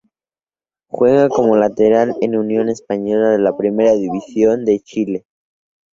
Juega como lateral en Union Española de la Primera División de Chile.